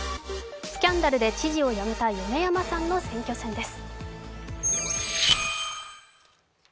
スキャンダルで知事を辞めた米山さんの選挙戦です。